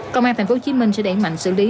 công an tp hcm sẽ đẩy mạnh xử lý